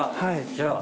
じゃあ。